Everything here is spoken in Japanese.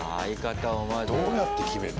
どうやって決めんの？